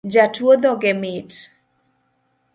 Jatuo dhoge mit